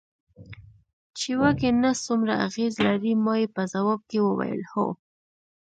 چې وږی نس څومره اغېز لري، ما یې په ځواب کې وویل: هو.